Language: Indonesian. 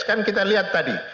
kan kita lihat tadi